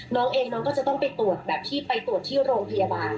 น้องเองน้องก็จะต้องไปตรวจแบบที่ไปตรวจที่โรงพยาบาล